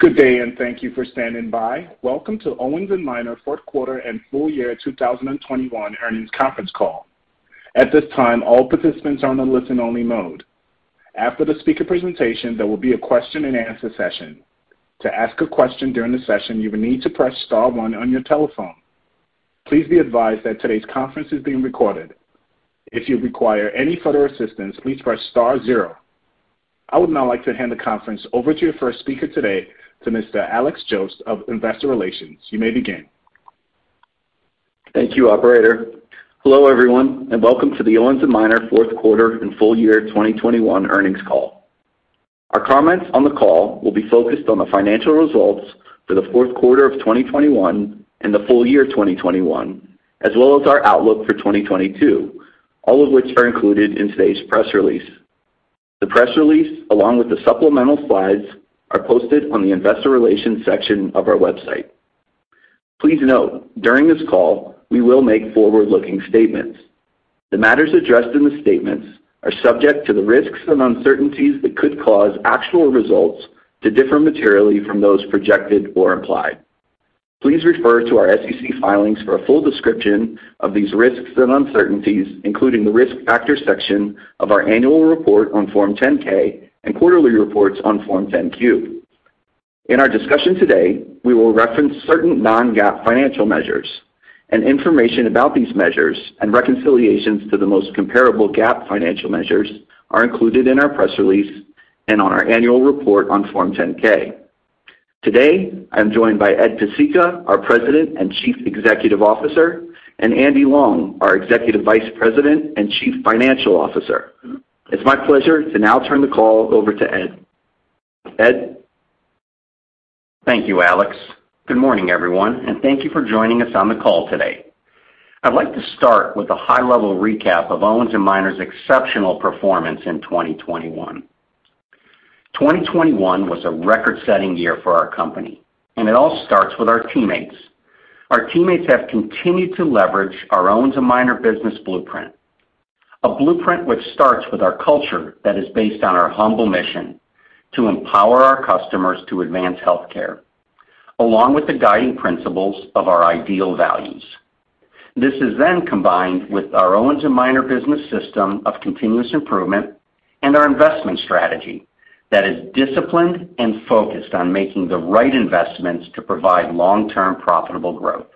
Good day, and thank you for standing by. Welcome to Owens & Minor Fourth Quarter and Full Year 2021 Earnings Conference Call. At this time, all participants are in a listen-only mode. After the speaker presentation, there will be a question-and-answer session. To ask a question during the session, you will need to press star one on your telephone. Please be advised that today's conference is being recorded. If you require any further assistance, please press star zero. I would now like to hand the conference over to your first speaker today, Mr. Alex Jost of Investor Relations. You may begin. Thank you, operator. Hello, everyone, and welcome to the Owens & Minor fourth quarter and full year 2021 Earnings Call. Our comments on the call will be focused on the financial results for the fourth quarter of 2021 and the full year 2021, as well as our outlook for 2022, all of which are included in today's press release. The press release, along with the supplemental slides, are posted on the investor relations section of our website. Please note, during this call, we will make forward-looking statements. The matters addressed in the statements are subject to the risks and uncertainties that could cause actual results to differ materially from those projected or implied. Please refer to our SEC filings for a full description of these risks and uncertainties, including the Risk Factors section of our annual report on Form 10-K and quarterly reports on Form 10-Q. In our discussion today, we will reference certain non-GAAP financial measures. Information about these measures and reconciliations to the most comparable GAAP financial measures are included in our press release and on our annual report on Form 10-K. Today, I'm joined by Ed Pesicka, our President and Chief Executive Officer, and Andy Long, our Executive Vice President and Chief Financial Officer. It's my pleasure to now turn the call over to Ed. Ed? Thank you, Alex. Good morning, everyone, and thank you for joining us on the call today. I'd like to start with a high-level recap of Owens & Minor's exceptional performance in 2021. 2021 was a record-setting year for our company, and it all starts with our teammates. Our teammates have continued to leverage our Owens & Minor business blueprint. A blueprint which starts with our culture that is based on our humble mission. To empower our customers to advance healthcare, along with the guiding principles of our ideal values. This is then combined with our Owens & Minor business system of continuous improvement and our investment strategy that is disciplined and focused on making the right investments to provide long-term profitable growth.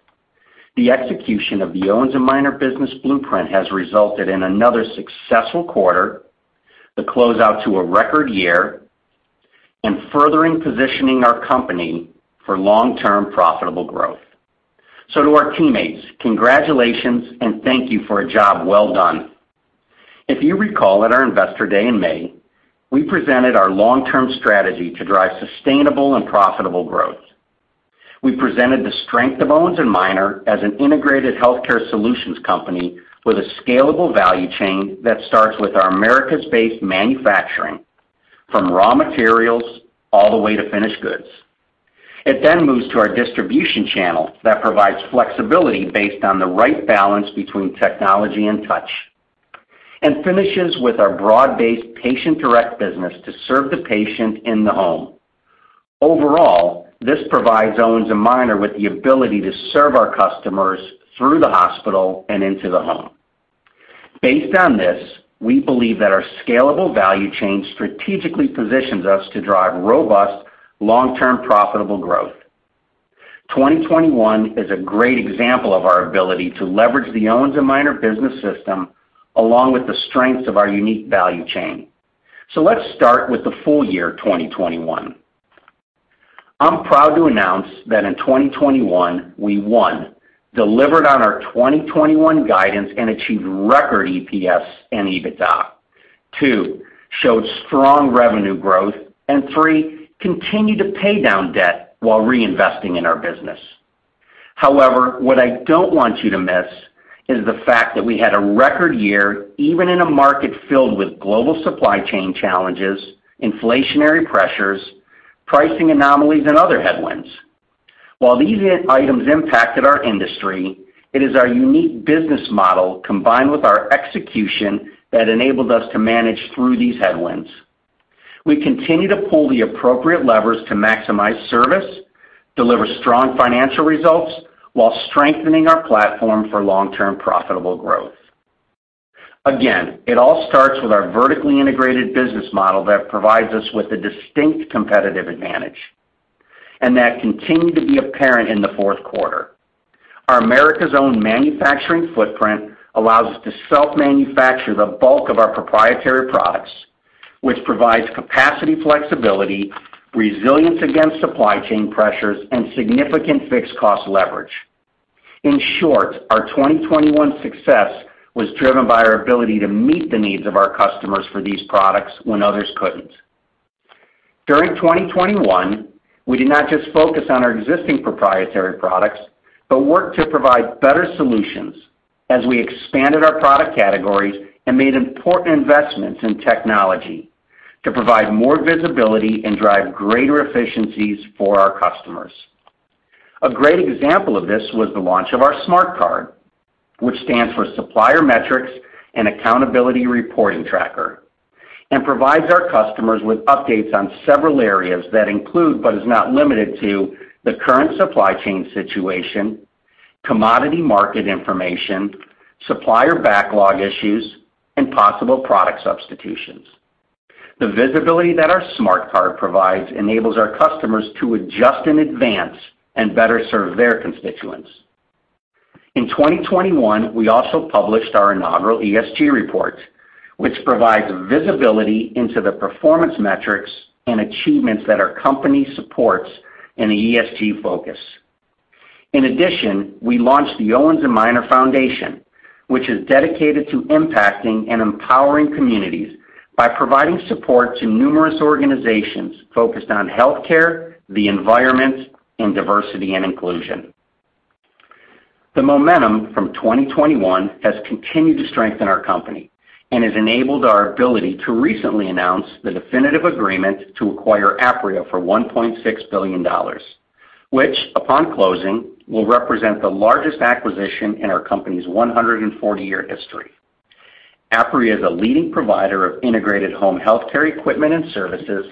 The execution of the Owens & Minor business blueprint has resulted in another successful quarter, the closeout to a record year, and furthering positioning our company for long-term profitable growth. To our teammates, congratulations, and thank you for a job well done. If you recall at our Investor Day in May, we presented our long-term strategy to drive sustainable and profitable growth. We presented the strength of Owens & Minor as an integrated healthcare solutions company with a scalable value chain that starts with our Americas-based manufacturing, from raw materials all the way to finished goods. It then moves to our distribution channel that provides flexibility based on the right balance between technology and touch and finishes with our broad-based patient-direct business to serve the patient in the home. Overall, this provides Owens & Minor with the ability to serve our customers through the hospital and into the home. Based on this, we believe that our scalable value chain strategically positions us to drive robust long-term profitable growth. 2021 is a great example of our ability to leverage the Owens & Minor business system along with the strengths of our unique value chain. Let's start with the full year 2021. I'm proud to announce that in 2021, we, one, delivered on our 2021 guidance and achieved record EPS and EBITDA. Two, showed strong revenue growth. And three, continued to pay down debt while reinvesting in our business. However, what I don't want you to miss is the fact that we had a record year, even in a market filled with global supply chain challenges, inflationary pressures, pricing anomalies, and other headwinds. While these items impacted our industry, it is our unique business model combined with our execution that enabled us to manage through these headwinds. We continue to pull the appropriate levers to maximize service, deliver strong financial results while strengthening our platform for long-term profitable growth. Again, it all starts with our vertically integrated business model that provides us with a distinct competitive advantage. That continued to be apparent in the fourth quarter. Our Americas' own manufacturing footprint allows us to self-manufacture the bulk of our proprietary products, which provides capacity flexibility, resilience against supply chain pressures, and significant fixed cost leverage. In short, our 2021 success was driven by our ability to meet the needs of our customers for these products when others couldn't. During 2021, we did not just focus on our existing proprietary products, but worked to provide better solutions as we expanded our product categories and made important investments in technology to provide more visibility and drive greater efficiencies for our customers. A great example of this was the launch of our SMART Card, which stands for Supplier Metrics and Accountability Report Tracker, and provides our customers with updates on several areas that include but is not limited to the current supply chain situation, commodity market information, supplier backlog issues, and possible product substitutions. The visibility that our SMART Card provides enables our customers to adjust in advance and better serve their constituents. In 2021, we also published our inaugural ESG report, which provides visibility into the performance metrics and achievements that our company supports in the ESG focus. In addition, we launched the Owens & Minor Foundation, which is dedicated to impacting and empowering communities by providing support to numerous organizations focused on healthcare, the environment, and diversity and inclusion. The momentum from 2021 has continued to strengthen our company and has enabled our ability to recently announce the definitive agreement to acquire Apria for $1.6 billion, which upon closing, will represent the largest acquisition in our company's 140-year history. Apria is a leading provider of integrated home healthcare equipment and services,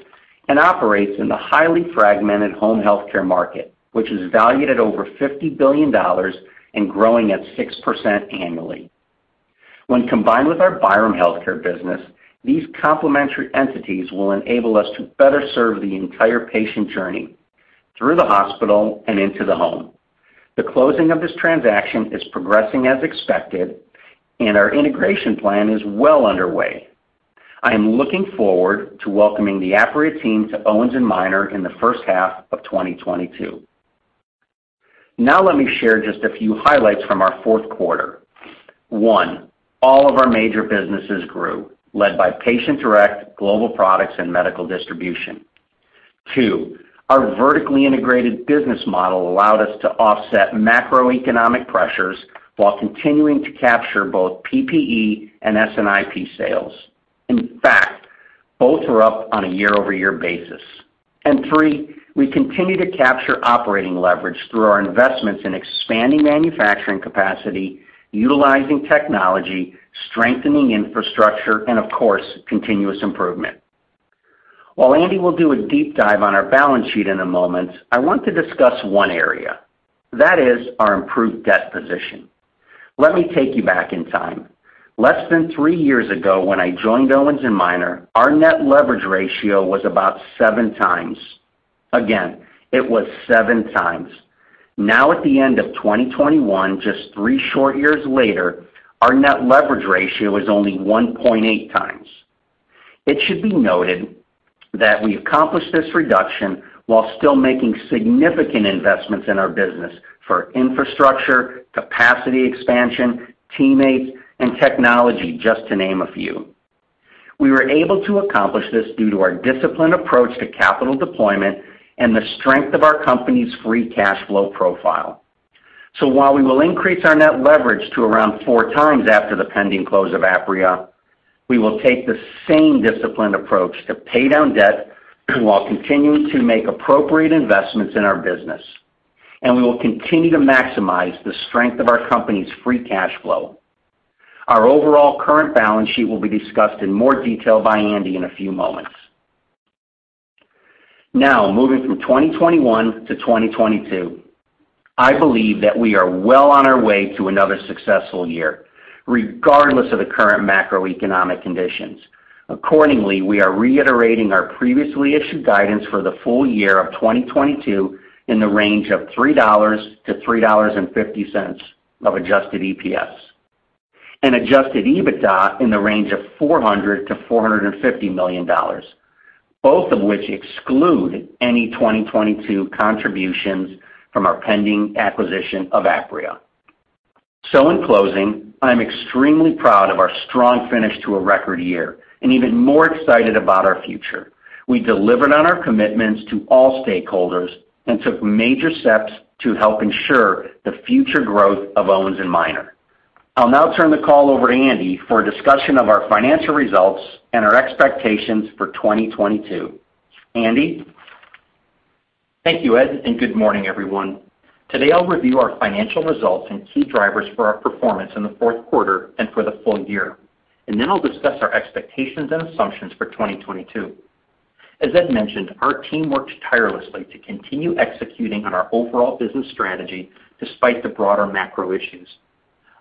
and operates in the highly fragmented home healthcare market, which is valued at over $50 billion and growing at 6% annually. When combined with our Byram Healthcare business, these complementary entities will enable us to better serve the entire patient journey through the hospital and into the home. The closing of this transaction is progressing as expected, and our integration plan is well underway. I am looking forward to welcoming the Apria team to Owens & Minor in the first half of 2022. Now let me share just a few highlights from our fourth quarter. One, all of our major businesses grew, led by Patient Direct, Global Products, and Medical Distribution. Two, our vertically integrated business model allowed us to offset macroeconomic pressures while continuing to capture both PPE and non-PPE sales. In fact, both are up on a year-over-year basis. Three, we continue to capture operating leverage through our investments in expanding manufacturing capacity, utilizing technology, strengthening infrastructure, and of course, continuous improvement. While Andy will do a deep dive on our balance sheet in a moment, I want to discuss one area, that is our improved debt position. Let me take you back in time. Less than three years ago, when I joined Owens & Minor, our net leverage ratio was about 7x. Again, it was 7x. Now at the end of 2021, just three short years later, our net leverage ratio is only 1.8x. It should be noted that we accomplished this reduction while still making significant investments in our business for infrastructure, capacity expansion, teammates, and technology, just to name a few. We were able to accomplish this due to our disciplined approach to capital deployment and the strength of our company's free cash flow profile. While we will increase our net leverage to around four times after the pending close of Apria, we will take the same disciplined approach to pay down debt while continuing to make appropriate investments in our business, and we will continue to maximize the strength of our company's free cash flow. Our overall current balance sheet will be discussed in more detail by Andy in a few moments. Now, moving from 2021 to 2022, I believe that we are well on our way to another successful year, regardless of the current macroeconomic conditions. Accordingly, we are reiterating our previously issued guidance for the full year of 2022 in the range of $3-$3.50 adjusted EPS, and adjusted EBITDA in the range of $400 million-$450 million, both of which exclude any 2022 contributions from our pending acquisition of Apria. In closing, I'm extremely proud of our strong finish to a record year and even more excited about our future. We delivered on our commitments to all stakeholders and took major steps to help ensure the future growth of Owens & Minor. I'll now turn the call over to Andy for a discussion of our financial results and our expectations for 2022. Andy? Thank you, Ed, and good morning, everyone. Today, I'll review our financial results and key drivers for our performance in the fourth quarter and for the full year, and then I'll discuss our expectations and assumptions for 2022. As Ed mentioned, our team worked tirelessly to continue executing on our overall business strategy despite the broader macro issues.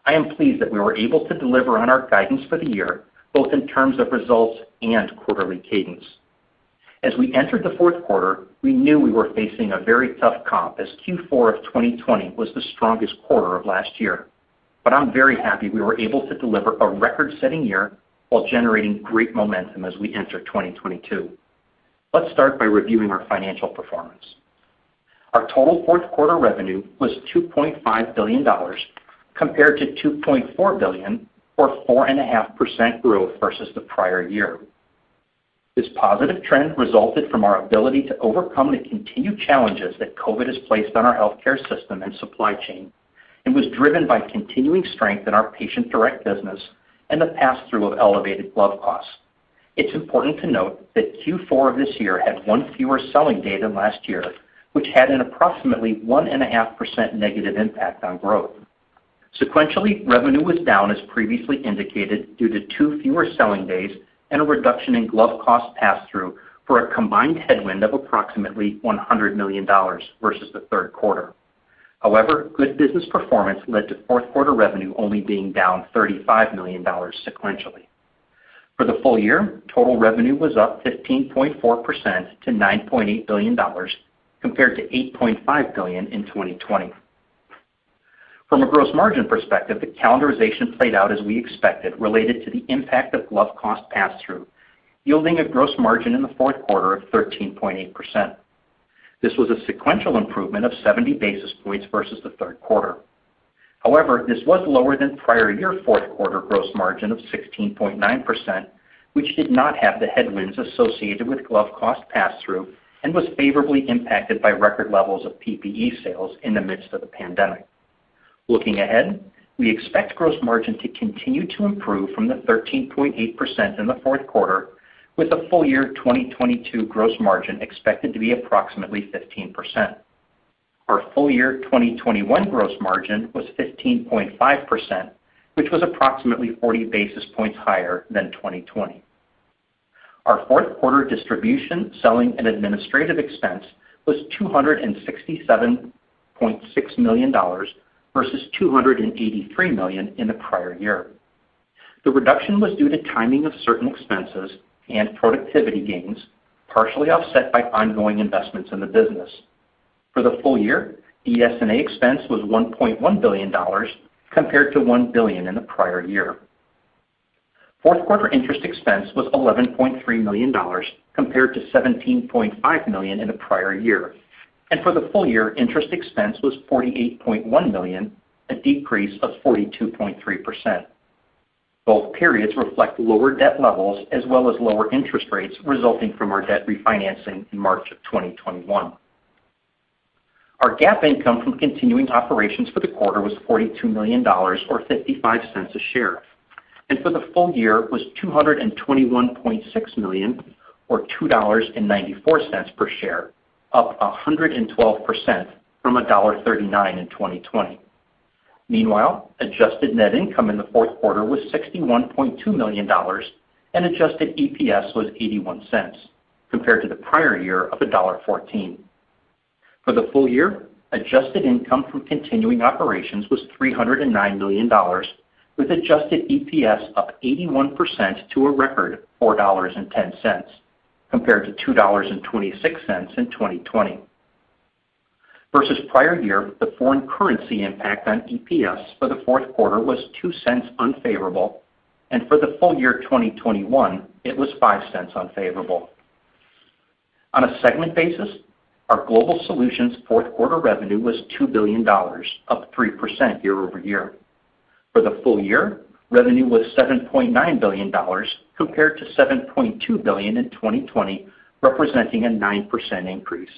I am pleased that we were able to deliver on our guidance for the year, both in terms of results and quarterly cadence. As we entered the fourth quarter, we knew we were facing a very tough comp as Q4 of 2020 was the strongest quarter of last year. I'm very happy we were able to deliver a record-setting year while generating great momentum as we enter 2022. Let's start by reviewing our financial performance. Our total fourth quarter revenue was $2.5 billion, compared to $2.4 billion or 4.5% growth versus the prior year. This positive trend resulted from our ability to overcome the continued challenges that COVID has placed on our healthcare system and supply chain and was driven by continuing strength in our Patient Direct business and the pass-through of elevated glove costs. It's important to note that Q4 of this year had one fewer selling day than last year, which had an approximately 1.5% negative impact on growth. Sequentially, revenue was down as previously indicated due to two fewer selling days and a reduction in glove cost passthrough for a combined headwind of approximately $100 million versus the third quarter. However, good business performance led to fourth quarter revenue only being down $35 million sequentially. For the full year, total revenue was up 15.4% to $9.8 billion, compared to $8.5 billion in 2020. From a gross margin perspective, the calendarization played out as we expected related to the impact of glove cost passthrough, yielding a gross margin in the fourth quarter of 13.8%. This was a sequential improvement of 70 basis points versus the third quarter. However, this was lower than prior year fourth quarter gross margin of 16.9%, which did not have the headwinds associated with glove cost passthrough and was favorably impacted by record levels of PPE sales in the midst of the pandemic. Looking ahead, we expect gross margin to continue to improve from the 13.8% in the fourth quarter, with a full year 2022 gross margin expected to be approximately 15%. Our full year 2021 gross margin was 15.5%, which was approximately 40 basis points higher than 2020. Our fourth quarter distribution selling and administrative expense was $267.6 million versus $283 million in the prior year. The reduction was due to timing of certain expenses and productivity gains, partially offset by ongoing investments in the business. For the full year, DS&A expense was $1.1 billion compared to $1 billion in the prior year. Fourth quarter interest expense was $11.3 million compared to $17.5 million in the prior year. For the full year, interest expense was $48.1 million, a decrease of 42.3%. Both periods reflect lower debt levels as well as lower interest rates resulting from our debt refinancing in March of 2021. Our GAAP income from continuing operations for the quarter was $42 million, or $0.55 a share, and for the full year was $221.6 million, or $2.94 per share, up 112% from $1.39 in 2020. Meanwhile, adjusted net income in the fourth quarter was $61.2 million, and adjusted EPS was $0.81, compared to the prior year of $1.14. For the full year, adjusted income from continuing operations was $309 million, with adjusted EPS up 81% to a record of $4.10, compared to $2.26 in 2020. Versus prior year, the foreign currency impact on EPS for the fourth quarter was $0.02 unfavorable, and for the full year 2021, it was $0.05 unfavorable. On a segment basis, our Global Solutions fourth quarter revenue was $2 billion, up 3% year-over-year. For the full year, revenue was $7.9 billion compared to $7.2 billion in 2020, representing a 9% increase.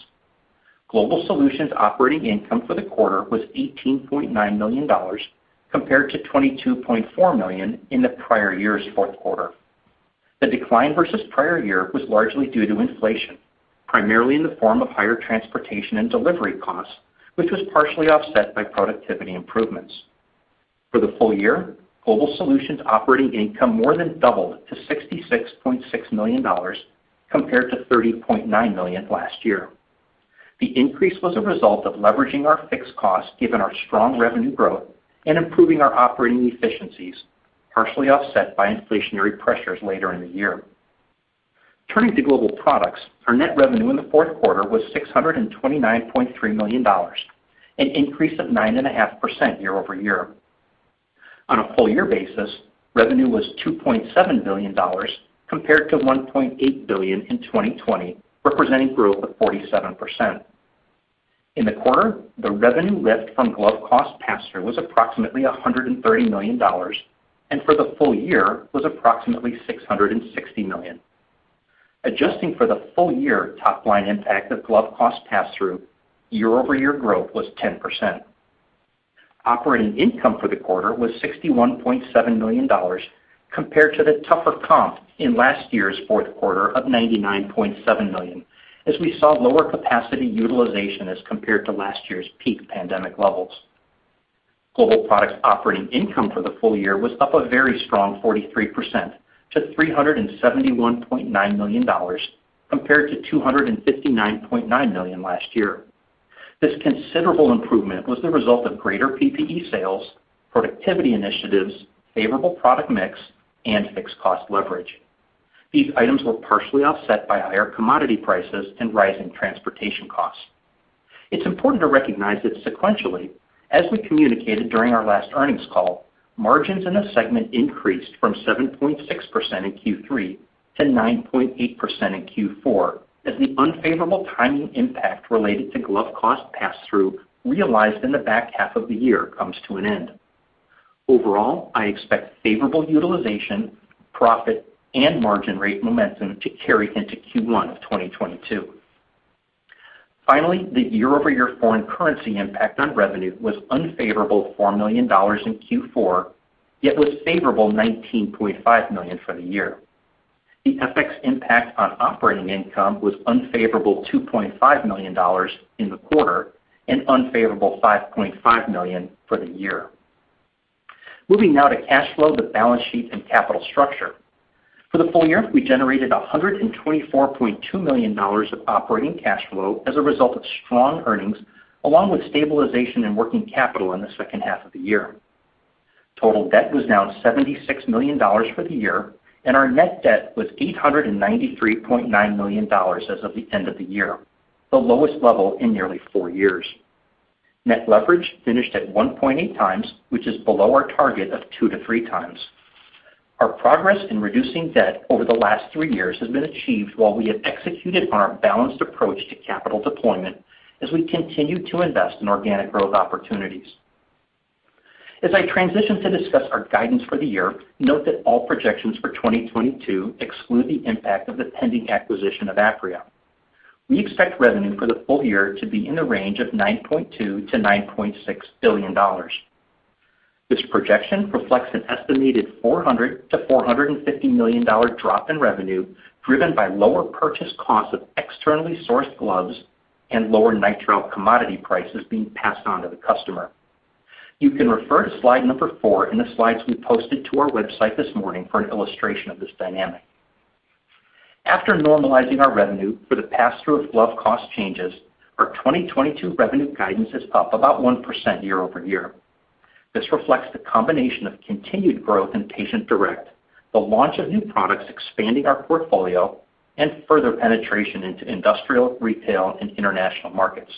Global Solutions operating income for the quarter was $18.9 million compared to $22.4 million in the prior year's fourth quarter. The decline versus prior year was largely due to inflation, primarily in the form of higher transportation and delivery costs, which was partially offset by productivity improvements. For the full year, Global Solutions operating income more than doubled to $66.6 million compared to $30.9 million last year. The increase was a result of leveraging our fixed costs given our strong revenue growth and improving our operating efficiencies, partially offset by inflationary pressures later in the year. Turning to Global Products, our net revenue in the fourth quarter was $629.3 million, an increase of 9.5% year-over-year. On a full-year basis, revenue was $2.7 billion compared to $1.8 billion in 2020, representing growth of 47%. In the quarter, the revenue lift from glove cost passthrough was approximately $130 million, and for the full year was approximately $660 million. Adjusting for the full year top line impact of glove cost passthrough, year-over-year growth was 10%. Operating income for the quarter was $61.7 million compared to the tougher comp in last year's fourth quarter of $99.7 million, as we saw lower capacity utilization as compared to last year's peak pandemic levels. Global Products operating income for the full year was up a very strong 43% to $371.9 million compared to $259.9 million last year. This considerable improvement was the result of greater PPE sales, productivity initiatives, favorable product mix, and fixed cost leverage. These items were partially offset by higher commodity prices and rising transportation costs. It's important to recognize that sequentially, as we communicated during our last earnings call, margins in the segment increased from 7.6% in Q3 to 9.8% in Q4 as the unfavorable timing impact related to glove cost passthrough realized in the back half of the year comes to an end. Overall, I expect favorable utilization, profit, and margin rate momentum to carry into Q1 of 2022. Finally, the year-over-year foreign currency impact on revenue was unfavorable $4 million in Q4 yet was favorable $19.5 million for the year. The FX impact on operating income was unfavorable $2.5 million in the quarter and unfavorable $5.5 million for the year. Moving now to cash flow, the balance sheet, and capital structure. For the full year, we generated $124.2 million of operating cash flow as a result of strong earnings, along with stabilization and working capital in the second half of the year. Total debt was down $76 million for the year, and our net debt was $893.9 million as of the end of the year, the lowest level in nearly four years. Net leverage finished at 1.8x, which is below our target of 2x-3x. Our progress in reducing debt over the last three years has been achieved while we have executed on our balanced approach to capital deployment as we continue to invest in organic growth opportunities. As I transition to discuss our guidance for the year, note that all projections for 2022 exclude the impact of the pending acquisition of Apria. We expect revenue for the full year to be in the range of $9.2 billion-$9.6 billion. This projection reflects an estimated $400 million-$450 million drop in revenue, driven by lower purchase costs of externally sourced gloves and lower nitrile commodity prices being passed on to the customer. You can refer to slide four in the slides we posted to our website this morning for an illustration of this dynamic. After normalizing our revenue for the pass-through of glove cost changes, our 2022 revenue guidance is up about 1% year-over-year. This reflects the combination of continued growth in Patient Direct, the launch of new products expanding our portfolio, and further penetration into industrial, retail, and international markets.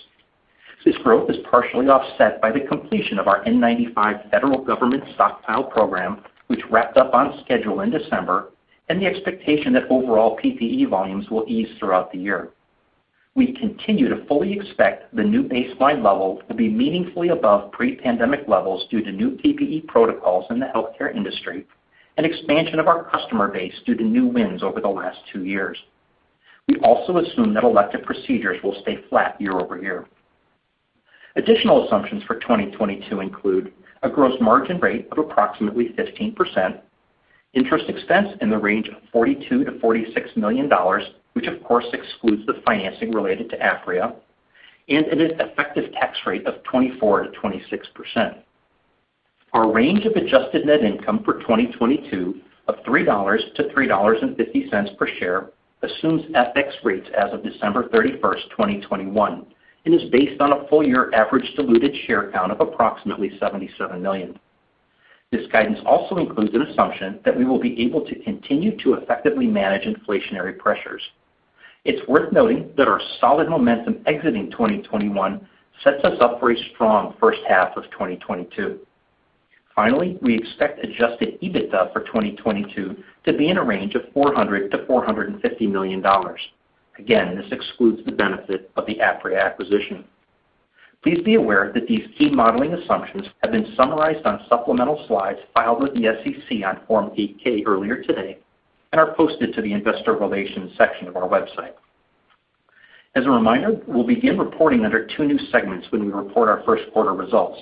This growth is partially offset by the completion of our N95 federal government stockpile program, which wrapped up on schedule in December, and the expectation that overall PPE volumes will ease throughout the year. We continue to fully expect the new baseline level will be meaningfully above pre-pandemic levels due to new PPE protocols in the healthcare industry and expansion of our customer base due to new wins over the last two years. We also assume that elective procedures will stay flat year-over-year. Additional assumptions for 2022 include a gross margin rate of approximately 15%, interest expense in the range of $42 million-$46 million, which of course excludes the financing related to Apria, and an effective tax rate of 24%-26%. Our range of adjusted net income for 2022 of $3-$3.50 per share assumes FX rates as of December 31, 2021, and is based on a full year average diluted share count of approximately 77 million. This guidance also includes an assumption that we will be able to continue to effectively manage inflationary pressures. It's worth noting that our solid momentum exiting 2021 sets us up for a strong first half of 2022. Finally, we expect adjusted EBITDA for 2022 to be in a range of $400 million-$450 million. Again, this excludes the benefit of the Apria acquisition. Please be aware that these key modeling assumptions have been summarized on supplemental slides filed with the SEC on Form 8-K earlier today and are posted to the investor relations section of our website. As a reminder, we'll begin reporting under two new segments when we report our first quarter results.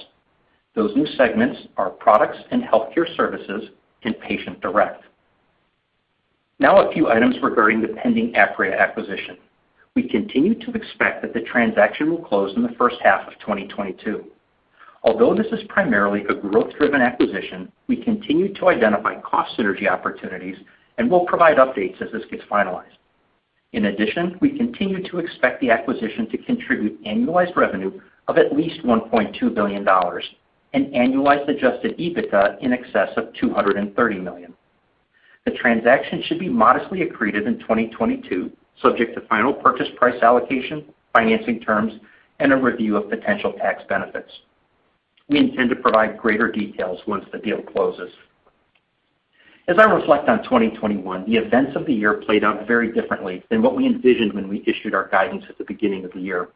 Those new segments are Products and Healthcare Services and Patient Direct. Now a few items regarding the pending Apria acquisition. We continue to expect that the transaction will close in the first half of 2022. Although this is primarily a growth-driven acquisition, we continue to identify cost synergy opportunities, and we'll provide updates as this gets finalized. In addition, we continue to expect the acquisition to contribute annualized revenue of at least $1.2 billion and annualized adjusted EBITDA in excess of $230 million. The transaction should be modestly accreted in 2022, subject to final purchase price allocation, financing terms, and a review of potential tax benefits. We intend to provide greater details once the deal closes. As I reflect on 2021, the events of the year played out very differently than what we envisioned when we issued our guidance at the beginning of the year.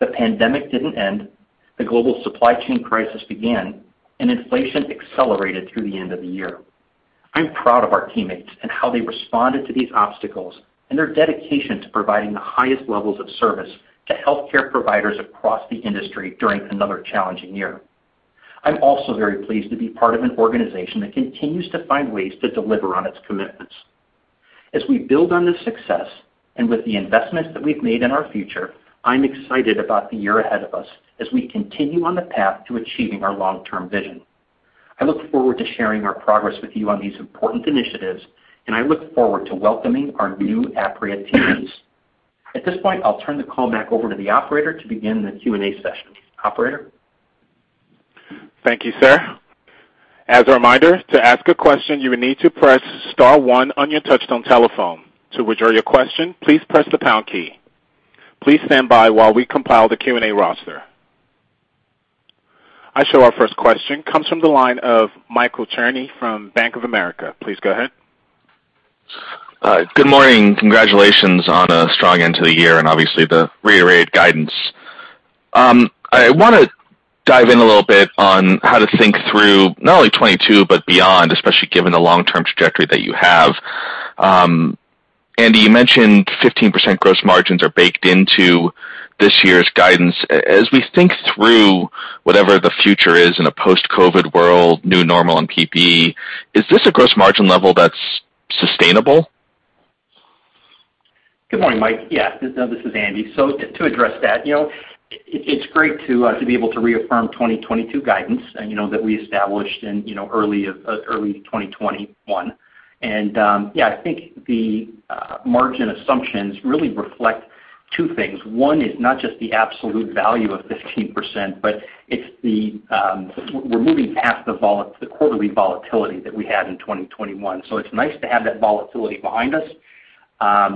The pandemic didn't end, the global supply chain crisis began, and inflation accelerated through the end of the year. I'm proud of our teammates and how they responded to these obstacles and their dedication to providing the highest levels of service to healthcare providers across the industry during another challenging year. I'm also very pleased to be part of an organization that continues to find ways to deliver on its commitments. As we build on this success, and with the investments that we've made in our future, I'm excited about the year ahead of us as we continue on the path to achieving our long-term vision. I look forward to sharing our progress with you on these important initiatives, and I look forward to welcoming our new Apria teams. At this point, I'll turn the call back over to the operator to begin the Q&A session. Operator? Thank you, sir. As a reminder, to ask a question, you will need to press star one on your touchtone telephone. To withdraw your question, please press the pound key. Please stand by while we compile the Q&A roster. I show our first question comes from the line of Michael Cherny from Bank of America. Please go ahead. Good morning. Congratulations on a strong end to the year and obviously the reiterated guidance. I wanna dive in a little bit on how to think through not only 2022 but beyond, especially given the long-term trajectory that you have. Andy, you mentioned 15% gross margins are baked into this year's guidance. As we think through whatever the future is in a post-COVID world, new normal in PPE, is this a gross margin level that's sustainable? Good morning, Mike. This is Andy. To address that, you know, it's great to be able to reaffirm 2022 guidance and, you know, that we established in, you know, early 2021. I think the margin assumptions really reflect two things. One is not just the absolute value of 15%, but it's that we're moving past the quarterly volatility that we had in 2021. It's nice to have that volatility behind us,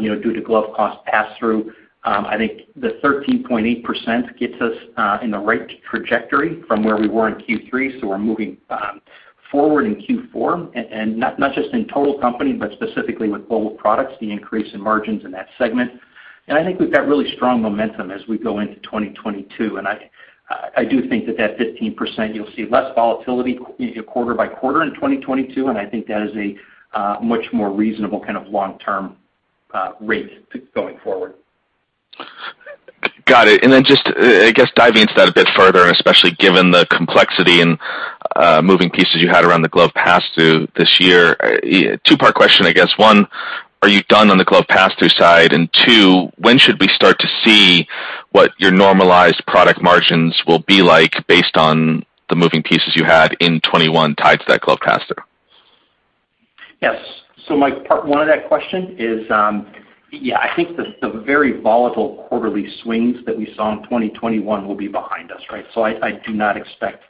you know, due to glove cost passthrough. I think the 13.8% gets us in the right trajectory from where we were in Q3, so we're moving forward in Q4, not just in total company, but specifically with Global Products, the increase in margins in that segment. I think we've got really strong momentum as we go into 2022. I do think that 15% you'll see less volatility quarter by quarter in 2022, and I think that is a much more reasonable kind of long-term rate going forward. Got it. Just, I guess diving into that a bit further, and especially given the complexity and moving pieces you had around the glove passthrough this year, two-part question, I guess. One, are you done on the glove passthrough side? And two, when should we start to see what your normalized product margins will be like based on the moving pieces you had in 2021 tied to that glove passthrough? Yes. My part one of that question is, yeah, I think the very volatile quarterly swings that we saw in 2021 will be behind us, right? I do not expect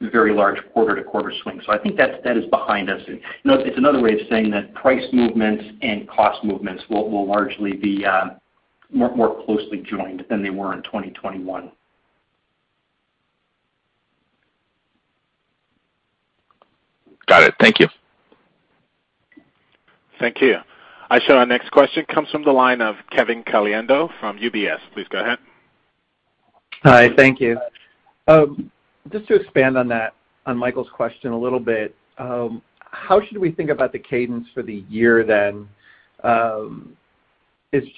very large quarter to quarter swings. I think that is behind us. You know, it's another way of saying that price movements and cost movements will largely be more closely joined than they were in 2021. Got it. Thank you. Thank you. Our next question comes from the line of Kevin Caliendo from UBS. Please go ahead. Hi. Thank you. Just to expand on that, on Michael's question a little bit, how should we think about the cadence for the year then?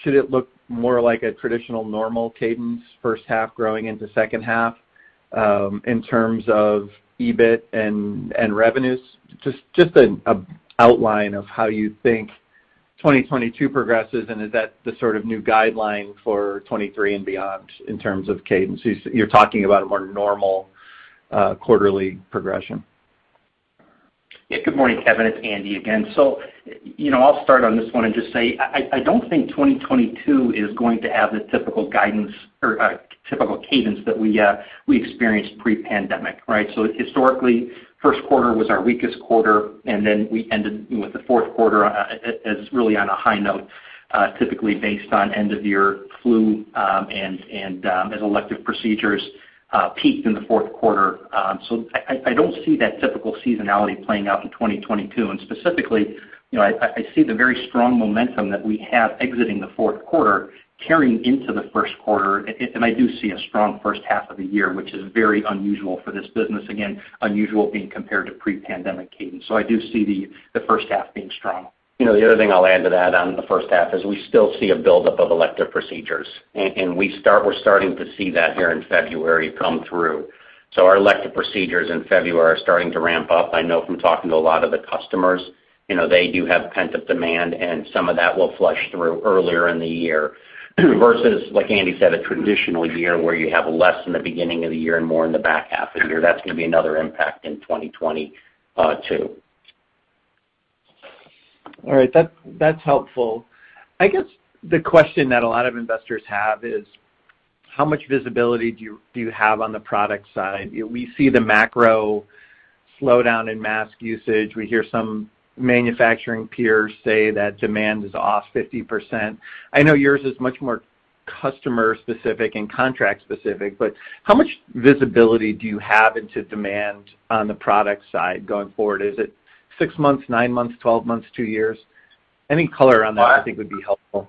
Should it look more like a traditional normal cadence, first half growing into second half, in terms of EBIT and revenues? Just a outline of how you think 2022 progresses, and is that the sort of new guideline for 2023 and beyond in terms of cadence? You're talking about a more normal quarterly progression. Yeah. Good morning, Kevin. It's Andy again. You know, I'll start on this one and just say I don't think 2022 is going to have the typical guidance or typical cadence that we experienced pre-pandemic, right? Historically, first quarter was our weakest quarter, and then we ended with the fourth quarter as really on a high note, typically based on end-of-year flu, and as elective procedures peaked in the fourth quarter. I don't see that typical seasonality playing out in 2022. Specifically, you know, I see the very strong momentum that we have exiting the fourth quarter carrying into the first quarter, and I do see a strong first half of the year, which is very unusual for this business. Again, unusual being compared to pre-pandemic cadence. I do see the first half being strong. You know, the other thing I'll add to that on the first half is we still see a buildup of elective procedures. We're starting to see that here in February come through. Our elective procedures in February are starting to ramp up. I know from talking to a lot of the customers, you know, they do have pent-up demand, and some of that will flush through earlier in the year versus, like Andy said, a traditional year where you have less in the beginning of the year and more in the back half of the year. That's gonna be another impact in 2022. All right. That's helpful. I guess the question that a lot of investors have is how much visibility do you have on the product side? We see the macro slowdown in mask usage. We hear some manufacturing peers say that demand is off 50%. I know yours is much more customer specific and contract specific, but how much visibility do you have into demand on the product side going forward? Is it six months, nine months, 12 months, two years? Any color on that I think would be helpful.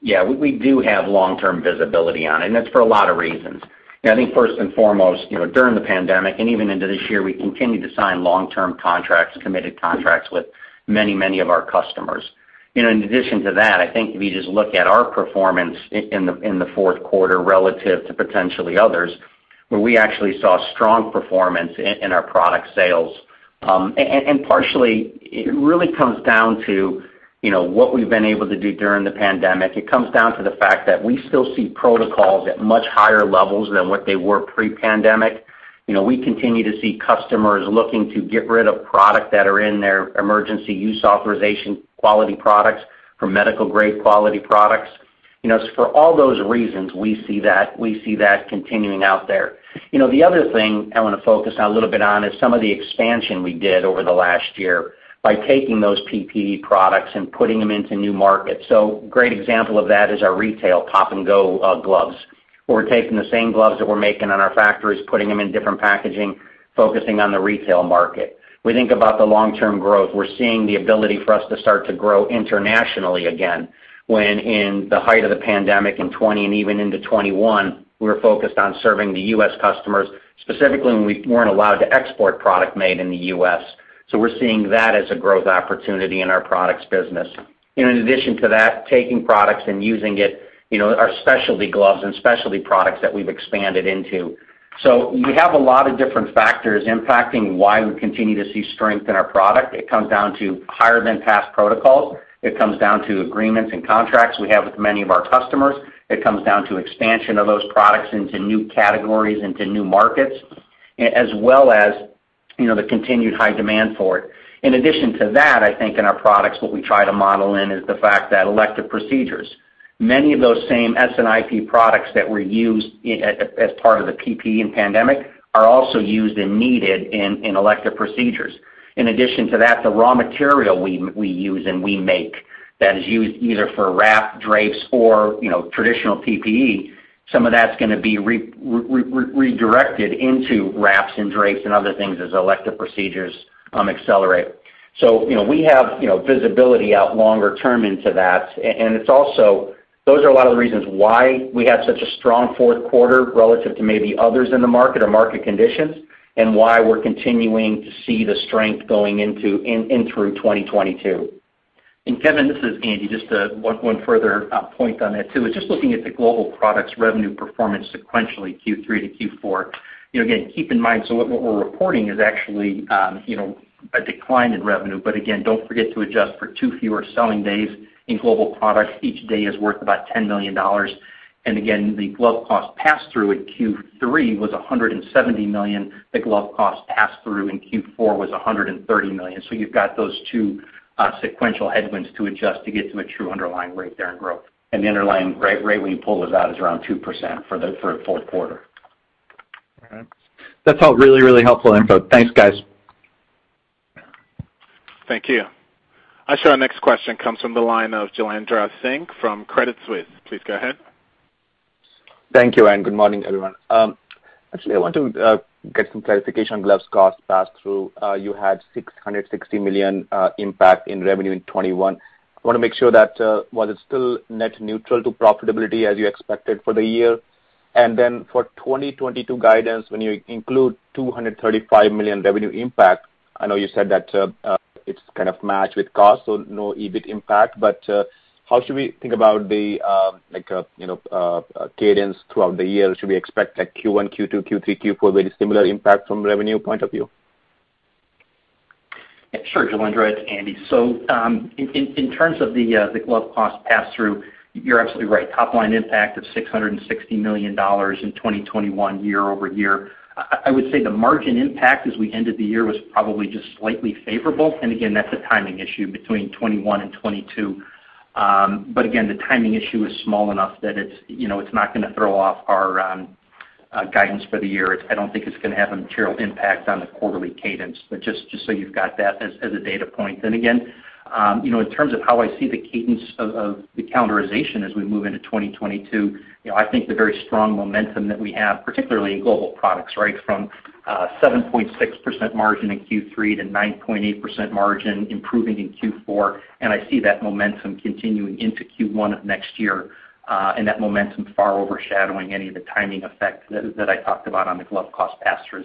Yeah. We do have long-term visibility on it, and that's for a lot of reasons. You know, I think first and foremost, you know, during the pandemic and even into this year, we continued to sign long-term contracts, committed contracts with many, many of our customers. You know, in addition to that, I think if you just look at our performance in the fourth quarter relative to potentially others, where we actually saw strong performance in our product sales. Partially it really comes down to, you know, what we've been able to do during the pandemic. It comes down to the fact that we still see protocols at much higher levels than what they were pre-pandemic. You know, we continue to see customers looking to get rid of product that are in their emergency use authorization quality products for medical grade quality products. You know, for all those reasons, we see that continuing out there. You know, the other thing I wanna focus a little bit on is some of the expansion we did over the last year by taking those PPE products and putting them into new markets. Great example of that is our retail POP-N-GO gloves, where we're taking the same gloves that we're making in our factories, putting them in different packaging. Focusing on the retail market. We think about the long-term growth. We're seeing the ability for us to start to grow internationally again, when in the height of the pandemic in 2020 and even into 2021, we were focused on serving the U.S. customers, specifically when we weren't allowed to export product made in the U.S. We're seeing that as a growth opportunity in our products business. In addition to that, taking products and using it, you know, our specialty gloves and specialty products that we've expanded into. We have a lot of different factors impacting why we continue to see strength in our product. It comes down to higher than past protocols. It comes down to agreements and contracts we have with many of our customers. It comes down to expansion of those products into new categories, into new markets, as well as, you know, the continued high demand for it. In addition to that, I think in our products, what we try to model in is the fact that elective procedures, many of those same SNIP products that were used as part of the PPE in pandemic are also used and needed in elective procedures. In addition to that, the raw material we use, and we make that is used either for wraps, drapes or you know traditional PPE, some of that's gonna be redirected into wraps and drapes and other things as elective procedures accelerate. You know, we have you know visibility out longer term into that. It's also those are a lot of the reasons why we had such a strong fourth quarter relative to maybe others in the market or market conditions, and why we're continuing to see the strength going into 2022. Kevin, this is Andy, just one further point on that, too. It's just looking at the Global Products revenue performance sequentially, Q3 to Q4. You know, again, keep in mind what we're reporting is actually, you know, a decline in revenue. Again, don't forget to adjust for two fewer selling days in Global Products. Each day is worth about $10 million. Again, the glove cost pass-through at Q3 was $170 million. The glove cost pass-through in Q4 was $130 million. You've got those two sequential headwinds to adjust to get to a true underlying rate there in growth. The underlying rate when you pull those out is around 2% for a full quarter. All right. That's all really, really helpful info. Thanks, guys. Thank you. Our next question comes from the line of Jailendra Singh from Credit Suisse. Please go ahead. Thank you, and good morning, everyone. Actually, I want to get some clarification on gloves cost pass-through. You had $660 million impact in revenue in 2021. I wanna make sure that was it still net neutral to profitability as you expected for the year? Then for 2022 guidance, when you include $235 million revenue impact, I know you said that it's kind of matched with cost, so no EBIT impact. How should we think about the, like, you know, cadence throughout the year? Should we expect a Q1, Q2, Q3, Q4 very similar impact from revenue point of view? Yeah, sure, Jailendra Singh. It's Andy Long. In terms of the glove cost pass-through, you're absolutely right. Top line impact of $660 million in 2021 year-over-year. I would say the margin impact as we ended the year was probably just slightly favorable. Again, that's a timing issue between 2021 and 2022. The timing issue is small enough that it's, you know, it's not gonna throw off our guidance for the year. It's not gonna have a material impact on the quarterly cadence. Just so you've got that as a data point. Again, you know, in terms of how I see the cadence of the calendarization as we move into 2022, you know, I think the very strong momentum that we have, particularly in Global Products, right from 7.6% margin in Q3 to 9.8% margin improving in Q4, and I see that momentum continuing into Q1 of next year, and that momentum far overshadowing any of the timing effect that I talked about on the glove cost pass-through.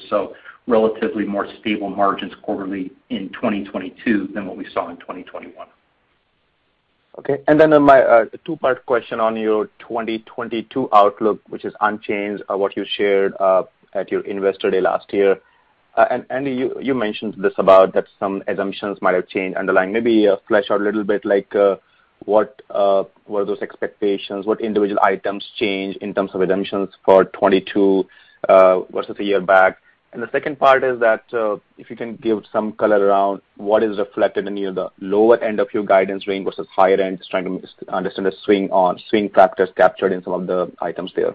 Relatively more stable margins quarterly in 2022 than what we saw in 2021. Okay. My two-part question on your 2022 outlook, which is unchanged, what you shared at your Investor Day last year. Andy, you mentioned this about that some assumptions might have changed underlying. Maybe flesh out a little bit like what were those expectations? What individual items changed in terms of assumptions for 2022 versus a year back? The second part is that if you can give some color around what is reflected in the lower end of your guidance range versus higher end, just trying to understand the swing factors captured in some of the items there.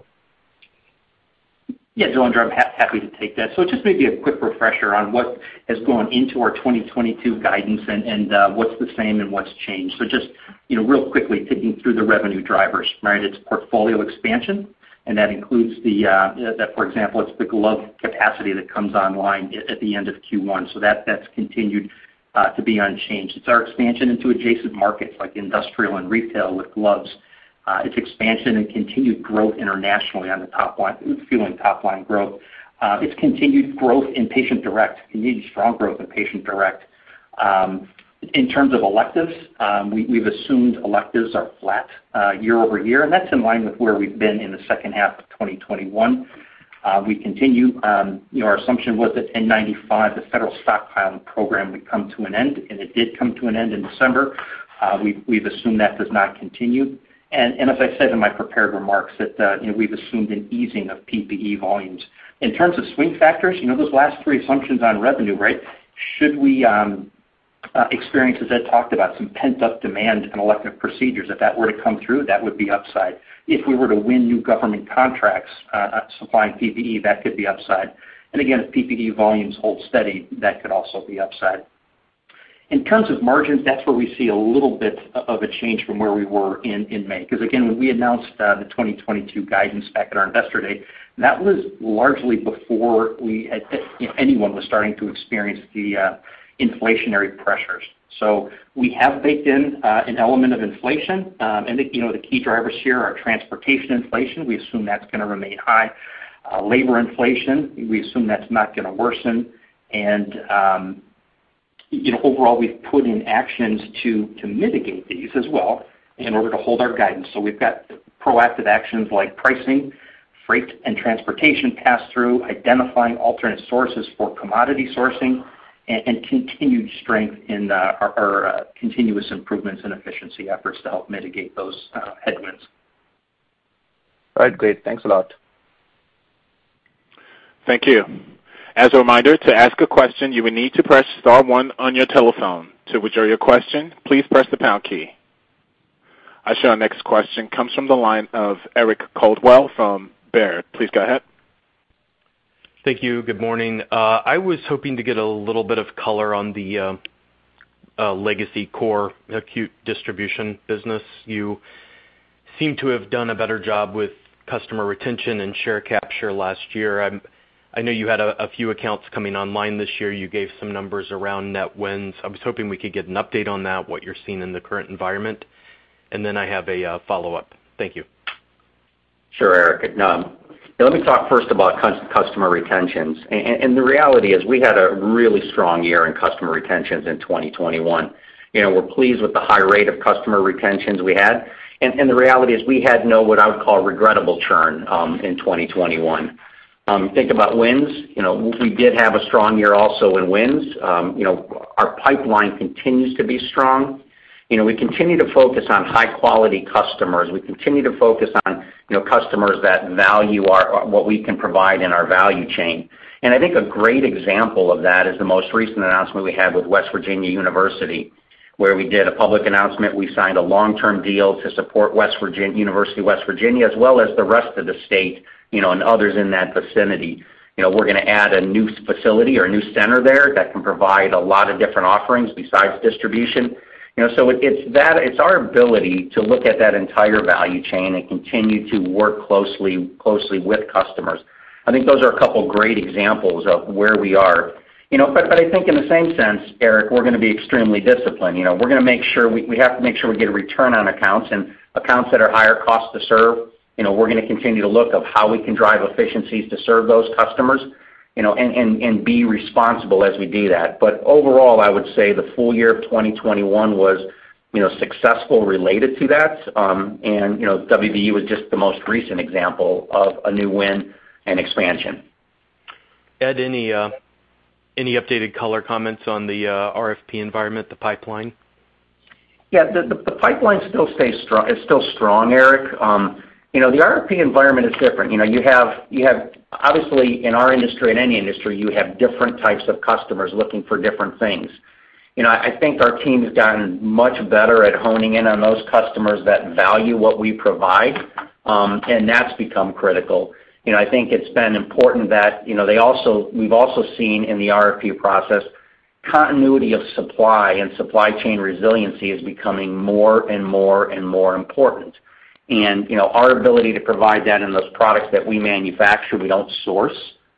Yeah, Jailendra Singh, I'm happy to take that. Just maybe a quick refresher on what has gone into our 2022 guidance and what's the same and what's changed. Just real quickly ticking through the revenue drivers, right? It's portfolio expansion, and that includes, for example, the glove capacity that comes online at the end of Q1. That's continued to be unchanged. It's our expansion into adjacent markets like industrial and retail with gloves. It's expansion and continued growth internationally on the top line, fueling top line growth. It's continued growth in Patient Direct, indeed strong growth in Patient Direct. In terms of electives, we've assumed electives are flat year-over-year, and that's in line with where we've been in the second half of 2021. We continue, you know, our assumption was that N95, the federal stockpiling program would come to an end, and it did come to an end in December. We've assumed that does not continue. As I said in my prepared remarks that, you know, we've assumed an easing of PPE volumes. In terms of swing factors, you know, those last three assumptions on revenue, right, should we experience, as Ed talked about, some pent-up demand in elective procedures, if that were to come through, that would be upside. If we were to win new government contracts, supplying PPE, that could be upside. Again, if PPE volumes hold steady, that could also be upside. In terms of margins, that's where we see a little bit of a change from where we were in May. Cause again, when we announced the 2022 guidance back at our investor day, that was largely before anyone was starting to experience the inflationary pressures. We have baked in an element of inflation. You know, the key drivers here are transportation inflation. We assume that's gonna remain high. Labor inflation, we assume that's not gonna worsen. You know, overall, we've put in actions to mitigate these as well in order to hold our guidance. We've got proactive actions like pricing, freight and transportation pass through, identifying alternate sources for commodity sourcing, and continued strength in our continuous improvements and efficiency efforts to help mitigate those headwinds. All right, great. Thanks a lot. Thank you. As a reminder, to ask a question, you will need to press star one on your telephone. To withdraw your question, please press the pound key. Our next question comes from the line of Eric Coldwell from Baird. Please go ahead. Thank you. Good morning. I was hoping to get a little bit of color on the legacy core acute distribution business. You seem to have done a better job with customer retention and share capture last year. I know you had a few accounts coming online this year. You gave some numbers around net wins. I was hoping we could get an update on that, what you're seeing in the current environment. Then I have a follow-up. Thank you. Sure, Eric. Let me talk first about customer retentions. The reality is we had a really strong year in customer retentions in 2021. You know, we're pleased with the high rate of customer retentions we had. The reality is we had no, what I would call regrettable churn, in 2021. Think about wins. You know, we did have a strong year also in wins. You know, our pipeline continues to be strong. You know, we continue to focus on high quality customers. We continue to focus on, you know, customers that value our what we can provide in our value chain. I think a great example of that is the most recent announcement we had with West Virginia University, where we did a public announcement. We signed a long-term deal to support West Virginia University, as well as the rest of the state, you know, and others in that vicinity. You know, we're gonna add a new facility or a new center there that can provide a lot of different offerings besides distribution. You know, so it's our ability to look at that entire value chain and continue to work closely with customers. I think those are a couple great examples of where we are. You know, I think in the same sense, Eric, we're gonna be extremely disciplined. You know, we're gonna make sure we have to make sure we get a return on accounts. Accounts that are higher cost to serve, you know, we're gonna continue to look at how we can drive efficiencies to serve those customers, you know, and be responsible as we do that. Overall, I would say the full year of 2021 was, you know, successful related to that. You know, WVU was just the most recent example of a new win and expansion. Ed, any updated color comments on the RFP environment, the pipeline? Yeah. The pipeline still stays strong. It's still strong, Eric. You know, the RFP environment is different. You know, you have—Obviously, in our industry, in any industry, you have different types of customers looking for different things. You know, I think our team has gotten much better at homing in on those customers that value what we provide, and that's become critical. You know, I think it's been important that, you know, we've also seen in the RFP process, continuity of supply and supply chain resiliency is becoming more and more important. You know, our ability to provide that in those products that we manufacture, we don't source,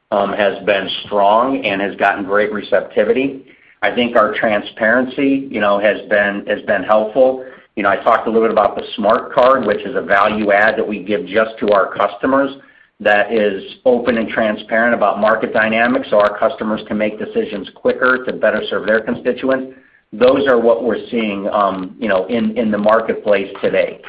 has been strong and has gotten great receptivity. I think our transparency, you know, has been helpful. You know, I talked a little bit about the SMART Card, which is a value add that we give just to our customers that is open and transparent about market dynamics, so our customers can make decisions quicker to better serve their constituents. Those are what we're seeing, you know, in the marketplace today.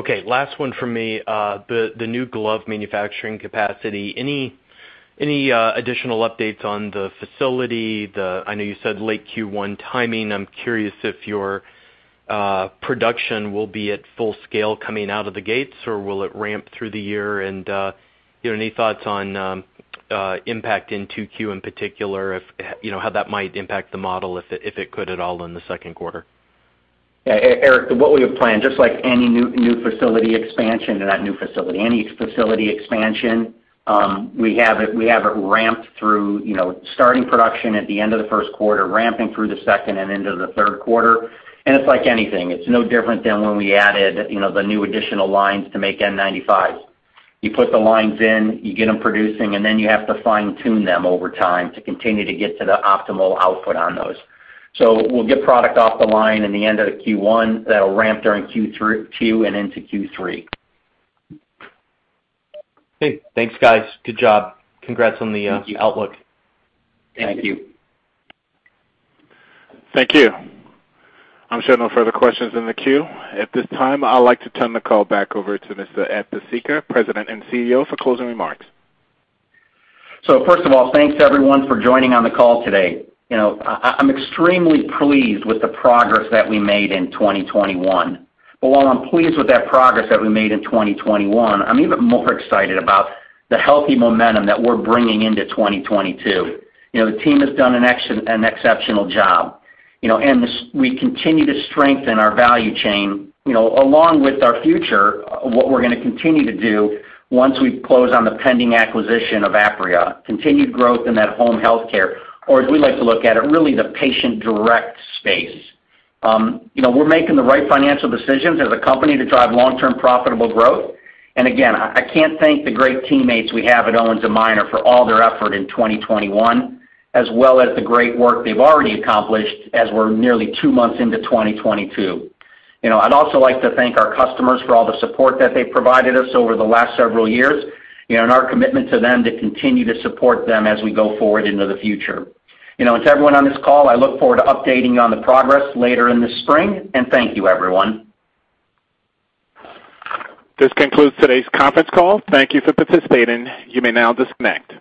Okay, last one for me. The new glove manufacturing capacity. Any additional updates on the facility? I know you said late Q1 timing. I'm curious if your production will be at full scale coming out of the gates, or will it ramp through the year? You know, any thoughts on impact in 2Q in particular, if you know, how that might impact the model if it could at all in the second quarter? Yeah, Eric, what we have planned, just like any new facility expansion. Not new facility. Any facility expansion, we have it ramped through, you know, starting production at the end of the first quarter, ramping through the second and into the third quarter. It's like anything. It's no different than when we added, you know, the new additional lines to make N95. You put the lines in, you get them producing, and then you have to fine tune them over time to continue to get to the optimal output on those. We'll get product off the line in the end of Q1 that'll ramp during Q2 and into Q3. Okay. Thanks, guys. Good job. Congrats on the Thank you. -outlook. Thank you. Thank you. I'm showing no further questions in the queue. At this time, I'd like to turn the call back over to Mr. Ed Pesicka, President and CEO, for closing remarks. First of all, thanks to everyone for joining on the call today. You know, I'm extremely pleased with the progress that we made in 2021. While I'm pleased with that progress that we made in 2021, I'm even more excited about the healthy momentum that we're bringing into 2022. You know, the team has done an exceptional job, you know, and we continue to strengthen our value chain. You know, along with our future, what we're gonna continue to do once we close on the pending acquisition of Apria, continued growth in that home healthcare, or as we like to look at it, really the Patient Direct space. You know, we're making the right financial decisions as a company to drive long-term profitable growth. Again, I can't thank the great teammates we have at Owens & Minor for all their effort in 2021, as well as the great work they've already accomplished as we're nearly two months into 2022. You know, I'd also like to thank our customers for all the support that they've provided us over the last several years, you know, and our commitment to them to continue to support them as we go forward into the future. You know, to everyone on this call, I look forward to updating you on the progress later in the spring, and thank you, everyone. This concludes today's conference call. Thank you for participating. You may now disconnect.